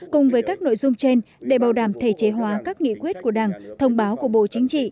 cùng với các nội dung trên để bảo đảm thể chế hóa các nghị quyết của đảng thông báo của bộ chính trị